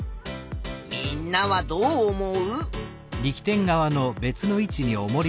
みんなはどう思う？